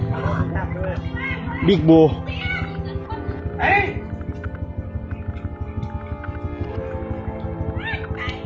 กายท่านพ้นไหม